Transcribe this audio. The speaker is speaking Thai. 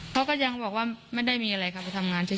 เขาก็ยังบอกว่าไม่ได้มีอะไรค่ะไปทำงานเฉย